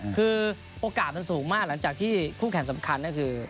คือโอกาสมันสูงมากหลังจากที่คู่แข่งสำคัญก็คือ